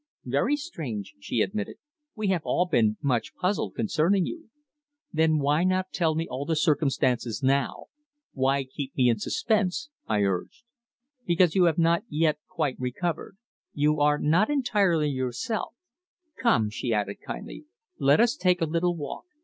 "Very strange," she admitted. "We have all been much puzzled concerning you." "Then why not tell me all the circumstances now? Why keep me in suspense?" I urged. "Because you have not yet quite recovered. You are not entirely yourself. Come," she added kindly, "let us take a little walk.